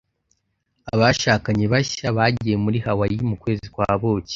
abashakanye bashya bagiye muri hawaii mu kwezi kwa buki